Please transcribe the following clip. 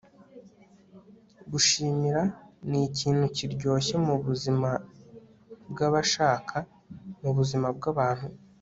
gushimira nikintu kiryoshye mubuzima bwabashaka - mubuzima bwabantu